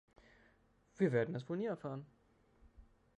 Wir werden es wohl nie erfahren.